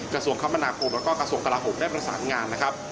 กระทรวงคมนาคมแล้วก็กระทรวงกลาโหมได้ประสานงานนะครับ